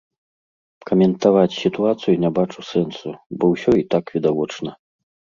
Каментаваць сітуацыю не бачу сэнсу, бо ўсё і так відавочна.